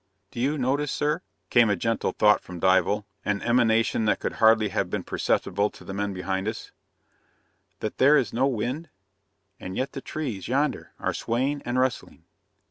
"Do you notice, sir," came a gentle thought from Dival, an emanation that could hardly have been perceptible to the men behind us, "that there is no wind and yet the trees, yonder, are swaying and rustling?"